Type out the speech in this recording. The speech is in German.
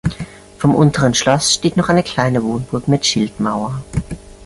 Vom Unteren Schloss steht noch eine kleine Wohnburg mit Schildmauer.